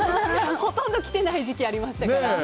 ほとんど来ていない時期がありましたから。